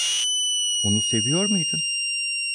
Onu seviyor muydun?